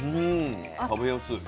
食べやすい。